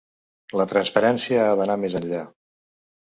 La transparència ha d’anar més enllà.